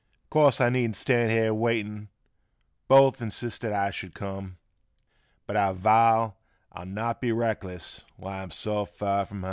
Course I needn't stand here waitin', both insisted I should come, But I vow I'll not be reckless when I am so fer from hum.